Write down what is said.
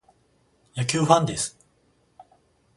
野球ファンです。